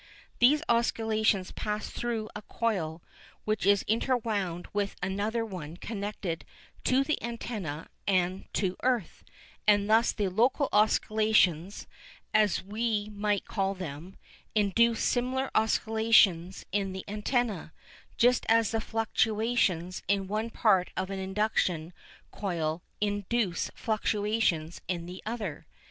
These oscillations pass through a coil which is interwound with another one connected to the antenna and to earth, and thus the local oscillations, as we might call them, induce similar oscillations in the antenna, just as the fluctuations in one part of an induction coil induce fluctuations in the other.